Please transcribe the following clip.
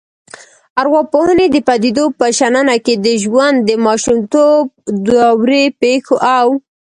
ارواپوهنې د پديدو په شننه کې د ژوند د ماشومتوب دورې پیښو او